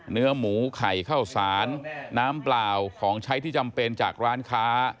เนื้อหมูไข่เข้าสารน้ำเปล่าของใช้ที่จำเป็นจากร้านค้า